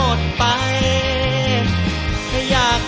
ขอบคุณครับ